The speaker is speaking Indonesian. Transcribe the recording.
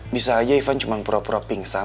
bisa aja ivan cuma pura pura pingsan